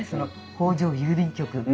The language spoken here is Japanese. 「北条郵便局」。